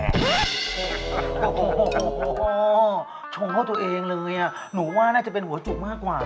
โอ้โหชงเข้าตัวเองเลยหนูว่าน่าจะเป็นหัวจุกมากกว่า